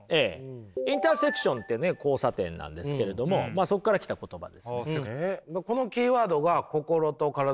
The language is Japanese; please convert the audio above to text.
インターセクションってね交差点なんですけれどもそこから来た言葉です。